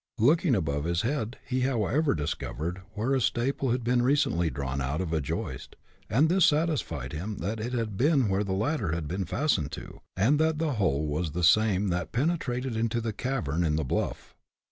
Looking above his head, he however, discovered where a staple had been recently drawn out of a joist, and this satisfied him that it had been where the ladder had been fastened to, and that the hole was the same that penetrated into the cavern in the bluff.